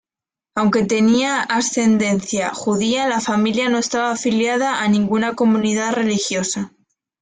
Aunque tenían ascendencia judía, la familia no estaba afiliada a ninguna comunidad religiosa.